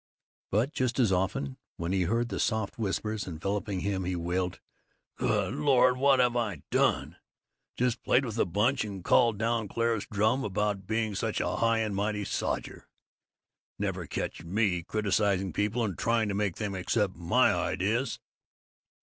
But just as often, when he heard the soft whispers enveloping him he wailed, "Good Lord, what have I done? Just played with the Bunch, and called down Clarence Drum about being such a high and mighty sodger. Never catch me criticizing people and trying to make them accept my ideas!"